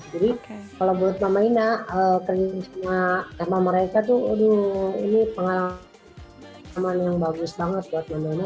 jadi kalau menurut mama ina keringin sama mereka tuh aduh ini pengalaman yang bagus banget buat mam ina